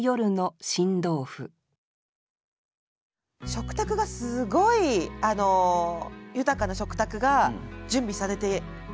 食卓がすごい豊かな食卓が準備されている夜。